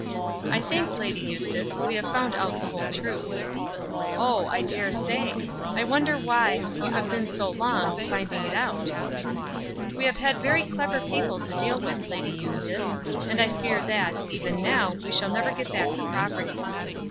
"I think, Lady Eustace, we have found out the whole truth." "Oh, I daresay. I wonder why you have been so long finding it out." "We have had very clever people to deal with, Lady Eustace; and I fear that, even now, we shall never get back the property."